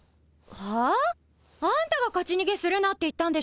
ハァ？あんたが勝ち逃げするなって言ったんでしょ！？